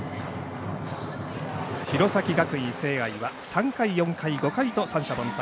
弘前学院聖愛は３回、４回、５回と三者凡退。